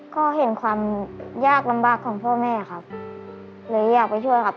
ก็เห็นความยากลำบากของพ่อแม่ครับเลยอยากไปช่วยครับ